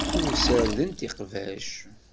Ur ssardent iqbac.